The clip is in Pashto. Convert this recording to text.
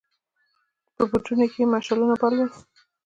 په برجونو کې يې مشعلونه بل ول.